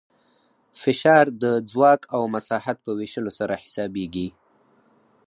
فشار د ځواک او مساحت په ویشلو سره حسابېږي.